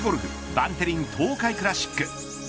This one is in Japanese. バンテリン東海クラシック。